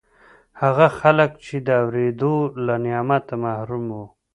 هغه خلک چې د اورېدو له نعمته محروم وو